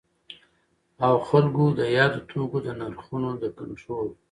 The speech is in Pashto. او خلګو د یادو توکو د نرخونو د کنټرول